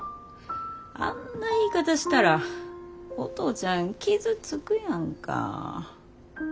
あんな言い方したらお父ちゃん傷つくやんか。